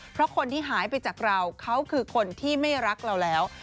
เพราะคนที่หายไปจากเราเขาคือคนที่ไม่รักเราแล้ว